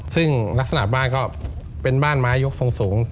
ซึ่งลักษณะบ้านก็เป็นบ้านไม้ยกทรงสูง